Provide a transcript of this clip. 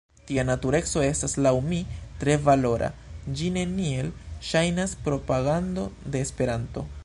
Tia natureco estas, laŭ mi, tre valora, ĝi neniel ŝajnas propagando de Esperanto.